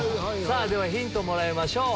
ではヒントをもらいましょう。